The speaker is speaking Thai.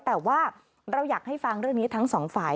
แต่ว่าเราอยากให้ฟังเรื่องนี้ทั้งสองฝ่าย